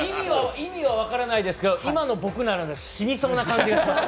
意味は分からないですけど、今の僕らなら染みそうな気がします。